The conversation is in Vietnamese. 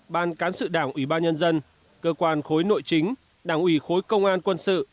ban cán sự đảng ủy ban nhân dân cơ quan khối nội chính đảng ủy khối công an quân sự